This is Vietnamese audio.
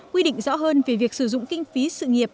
quy định rõ hơn về việc sử dụng kinh phí sự nghiệp